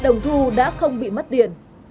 đồng thu đã không bị mất tiền